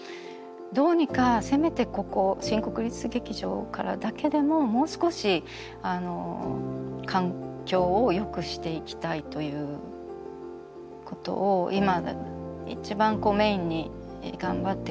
どうにかせめてここ新国立劇場からだけでももう少し環境をよくしていきたいということを今一番メインに頑張っているところなんですけれども。